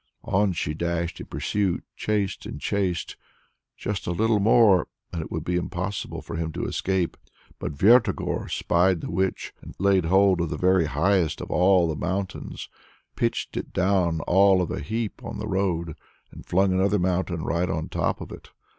On she dashed in pursuit, chased and chased. Just a little more, and it would be impossible for him to escape! But Vertogor spied the witch, laid hold of the very highest of all the mountains, pitched it down all of a heap on the road, and flung another mountain right on top of it.